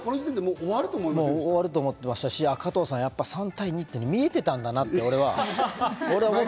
終わると思ってたし、加藤さん、３対２っていうのは見えてたんだなって。